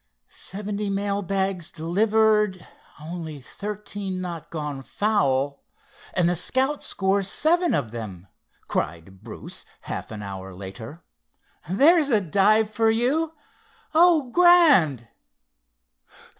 "Seventy mail bags delivered, only thirteen not gone foul, and the Scout scores seven of them," cried Bruce, half an hour later. "There's a dive for you—oh, grand!"